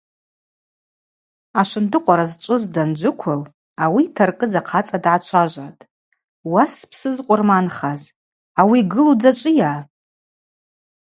Ашвындыкъвара зчӏвыз данджвыквыл ауи йтаркӏыз ахъацӏа дгӏачважватӏ: – Уа спсы зкъвырманхаз, ауи йгылу дзачӏвыйа?